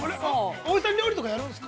◆葵さん、料理とかやるんですか。